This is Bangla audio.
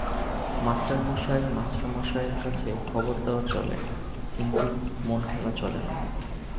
মাস্টারমশায়– মাস্টারমশায়ের কাছে খবর দেওয়া চলে কিন্তু মন খোলা চলে না।